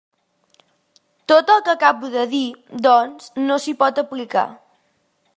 Tot el que acabo de dir, doncs, no s'hi pot aplicar.